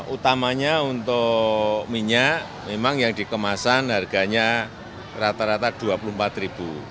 utamanya untuk minyak memang yang dikemasan harganya rata rata rp dua puluh empat